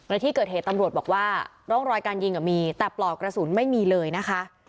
และที่เกิดเหตุตำรวจบอกว่าร่องรอยการยิงมีแต่ปลอกกระสุนไม่มีเลยนะคะ